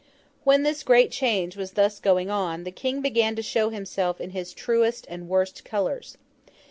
When this great change was thus going on, the King began to show himself in his truest and worst colours.